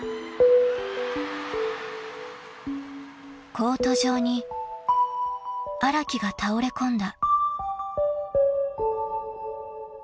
［コート上に荒木が倒れ込んだ］